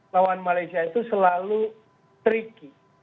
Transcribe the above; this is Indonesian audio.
lawan malaysia itu selalu tricky